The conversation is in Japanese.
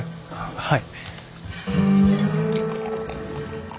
はい。